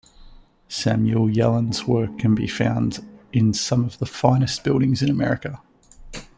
Samuel Yellin's works can be found in some of the finest buildings in America.